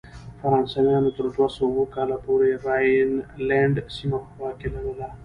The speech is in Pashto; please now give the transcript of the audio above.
فرانسویانو تر دوه سوه اووه کال پورې راینلنډ سیمه په واک کې لرله.